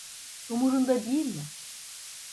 Umurunda değil mi?